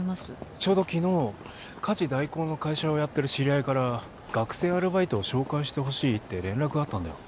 ちょうど昨日家事代行の会社をやってる知り合いから学生アルバイトを紹介してほしいって連絡があったんだよ